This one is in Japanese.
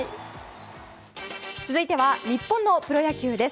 続いては日本のプロ野球です。